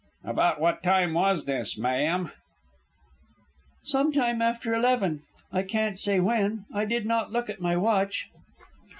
"About what time was this, ma'am?" "Some time after eleven. I can't say when. I did not look at my watch."